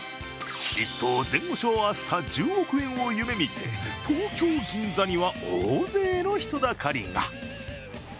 １等・前後賞合わせた１０億円を夢見て東京・銀座には大勢の人だかりが。